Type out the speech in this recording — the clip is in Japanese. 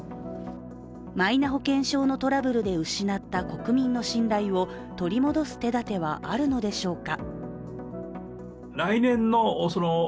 マイナ保険証のトラブルで失った国民の信頼を取り戻す手だてはあるのでしょうか。